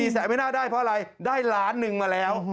แสนไม่น่าได้เพราะอะไรได้ล้านหนึ่งมาแล้ว